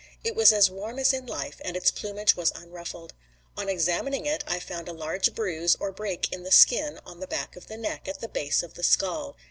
It was as warm as in life, and its plumage was unruffled. On examining it I found a large bruise or break in the skin on the back of the neck, at the base of the skull.